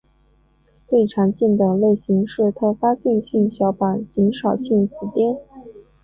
最常见的类型是特发性血小板减少性紫癜。